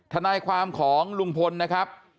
ทนายความของลุงพลนะครับ